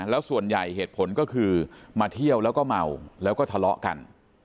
แล้วส่วนใหญ่เหตุผลก็คือมาเที่ยวแล้วก็เมาแล้วก็ทะเลาะกัน